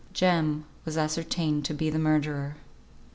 Jem was ascertained to be the murderer.